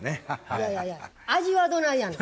いやいやいや味はどないやねん？